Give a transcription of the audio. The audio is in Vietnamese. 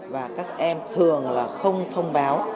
và các em thường là không thông báo